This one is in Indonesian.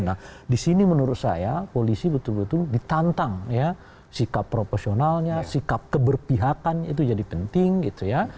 nah di sini menurut saya polisi betul betul ditantang ya sikap proporsionalnya sikap keberpihakan itu jadi penting gitu ya